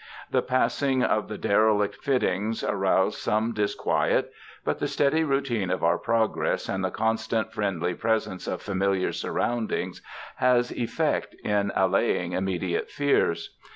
The passing of the derelict fittings aroused some disquiet, but the steady routine of our progress and the constant friendly presence of familiar surroundings has effect in allaying immediate fears.